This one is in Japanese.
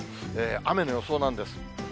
雨の予想なんです。